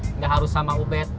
enggak harus sama ubed